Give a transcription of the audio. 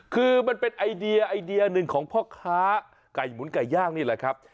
คือมันเป็นไอเดียไอเดียหนึ่งของพ่อค้าไก่หมุนไก่ย่างนี่แหละครับ